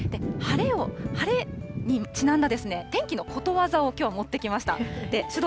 晴れにちなんだ天気のことわざを、きょう持ってきました。